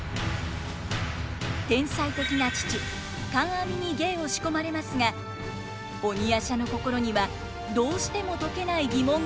天才的な父観阿弥に芸を仕込まれますが鬼夜叉の心にはどうしても解けない疑問が渦巻いています。